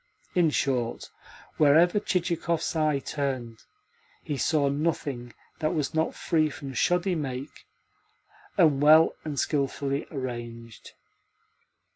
In short, wherever Chichikov's eye turned he saw nothing that was not free from shoddy make and well and skilfully arranged.